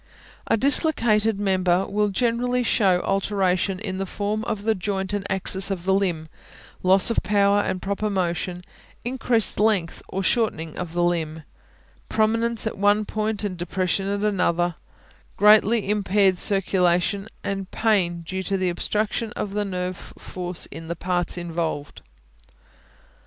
A dislocated member will generally show alteration in the form of the joint and axis of the limb; loss of power and proper motion; increased length or shortening of the limb; prominence at one point and depression at another; greatly impaired circulation, and pain due to the obstruction of nerve force in the parts involved.